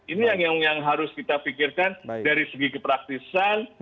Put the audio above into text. ini yang harus kita pikirkan dari segi kepraktisan